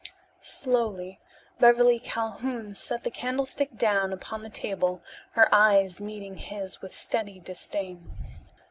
Slowly Beverly Calhoun set the candlestick down upon the table her eyes meeting his with steady disdain.